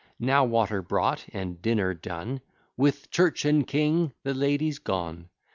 Now water brought, and dinner done; With "Church and King" the ladies gone.